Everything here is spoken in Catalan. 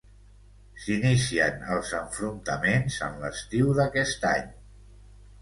S'inicien els enfrontaments en l'estiu d'aquest any.